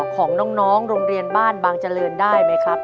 ของน้องโรงเรียนบ้านบางเจริญได้ไหมครับ